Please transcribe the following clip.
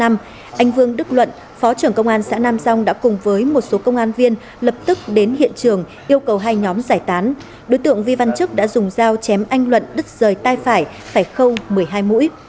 anh vương đức luận phó trưởng công an xã nam giang đã cùng với một số công an viên lập tức đến hiện trường yêu cầu hai nhóm giải tán đối tượng vi văn chức đã dùng dao chém anh luận đứt rời tay phải phải khâu một mươi hai mũi